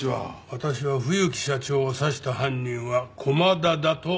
私は冬木社長を刺した犯人は駒田だと踏んでます。